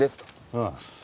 ああ。